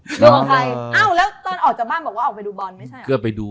อ้าวแล้วตอนออกจากบ้านบอกว่าออกไปดูบอลไม่ใช่